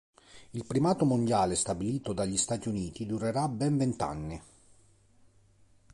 Il primato mondiale stabilito dagli Stati Uniti durerà ben vent'anni.